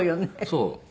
そう。